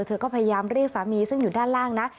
เธอก็พยายามเรียกสามีซึ่งอยู่ด้านล่างนะ